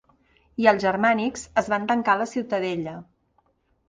I els germànics es van tancar a la ciutadella.